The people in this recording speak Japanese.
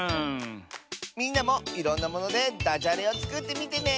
みんなもいろんなものでダジャレをつくってみてね。